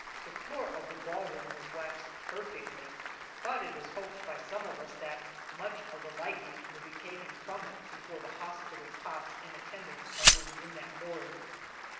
The floor of the ballroom was waxed perfectly, but it is hoped by some of us that much of the lightning will be taken from it before the hospital cots and attendants are moved in that ward.